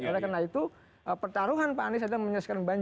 oleh karena itu pertaruhan pak anies adalah menyesuaikan bumerang